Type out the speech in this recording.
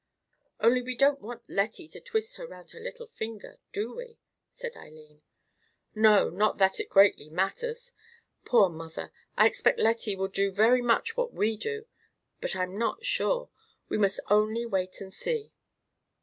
"Only we don't want Lettie to twist her round her little finger, do we?" said Eileen. "No; not that it greatly matters. Poor mother. I expect Lettie will do very much what we do; but I'm not sure. We must only wait and see."